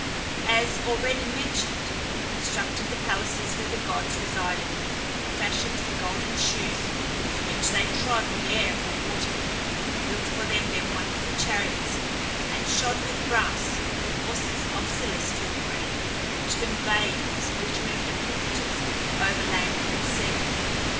As already mentioned, he constructed the palaces where the gods resided, fashioned the golden shoes with which they trod the air or water, built for them their wonderful chariots, and shod with brass the horses of celestial breed, which conveyed these glittering equipages over land and sea.